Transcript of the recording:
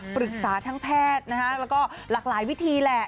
ปรึกษาทั้งแพทย์นะฮะแล้วก็หลากหลายวิธีแหละ